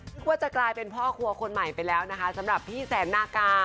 คิดว่าจะกลายเป็นพ่อครัวคนใหม่ไปแล้วนะคะสำหรับพี่แสนนากา